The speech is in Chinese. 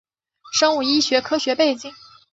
生物医学科学背景